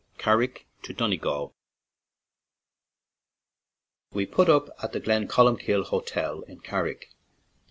CARRICK TO DONEGAL WE put up at the Glencolumbkille Hotel in Carrick.